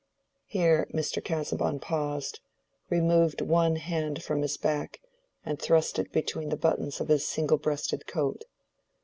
Here Mr. Casaubon paused, removed one hand from his back and thrust it between the buttons of his single breasted coat.